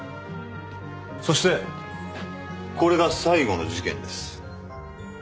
そしてこれが最後の事件です。